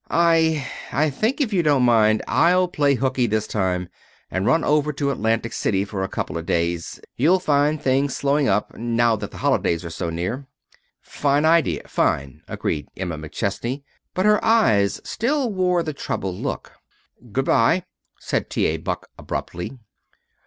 "I I think, if you don't mind, I'll play hooky this time and run over to Atlantic City for a couple of days. You'll find things slowing up, now that the holidays are so near." "Fine idea fine!" agreed Emma McChesney; but her eyes still wore the troubled look. "Good by," said T. A. Buck abruptly.